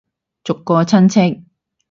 逐個親戚